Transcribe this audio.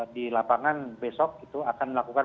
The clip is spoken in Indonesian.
di lapangan besok itu akan melakukan